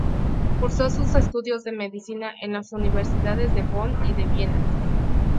Cursó sus estudios de medicina en las Universidades de Bonn y de Viena.